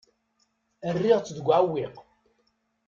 Rriɣ-tt deg uɛewwiq.